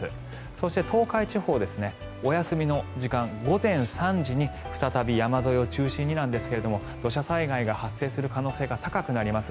そして、東海地方お休みの時間午前３時に再び山沿いを中心にですが土砂災害が発生する可能性が高くなります。